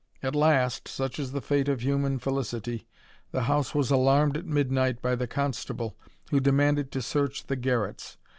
At last, such is the fate >f liuman felicity, the house was alarmed at midnight by ^e constable, who demanded to search the garrets.